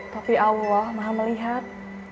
tapi allah maha melihat